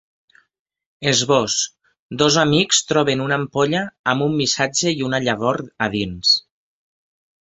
Esbós: Dos amics troben una ampolla amb un missatge i una llavor a dins.